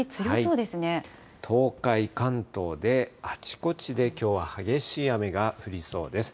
東海、関東であちこちできょうは激しい雨が降りそうです。